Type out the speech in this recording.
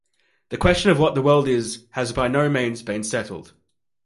The question of what the world is has by no means been settled.